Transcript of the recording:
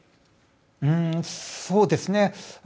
そうですね。